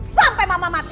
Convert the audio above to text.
sampai mama mati